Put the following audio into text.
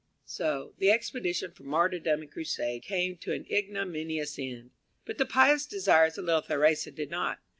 So the expedition for martyrdom and crusade came to an ignominious end. But the pious desires of little Theresa did not.